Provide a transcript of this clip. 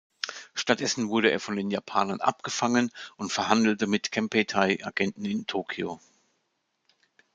Stattdessen wurde er von den Japanern abgefangen und verhandelte mit Kempeitai-Agenten in Tokio.